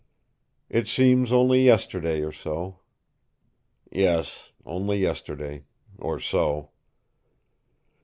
"It seems only yesterday or so?" "Yes, only yesterday or so."